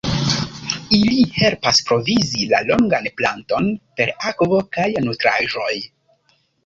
Ili helpas provizi la longan planton per akvo kaj nutraĵoj.